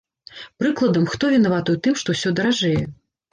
Прыкладам, хто вінаваты ў тым, што ўсё даражэе?